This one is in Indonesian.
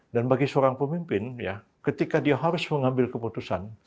dan bagi seorang pemimpin ketika dia harus mengambil keputusan